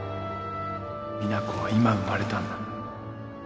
実那子は今生まれたんだ